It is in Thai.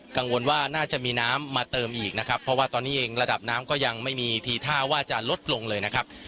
กังวลว่าน่าจะมีน้ำมาเติมอีกนะครับเพราะว่าตอนนี้เองระดับน้ำก็ยังไม่มีทีท่าว่าจะลดลงเลยนะครับ